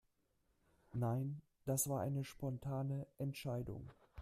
Nein, das war eine spontane Entscheidung.